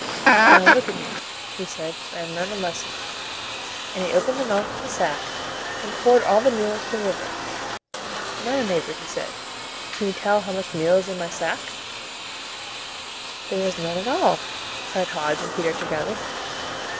"Now look at me," he said, "and learn a lesson." And he opened the mouth of the sack, and poured all the meal into the river. "Now, neighbors," he said, "can you tell how much meal is in my sack?" [Illustration: "How much meal is in my sack?"] "There is none at all!" cried Hodge and Peter together.